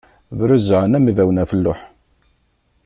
Bruzzɛen am ibawen ɣef lluḥ.